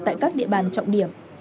tại các địa bàn trọng điểm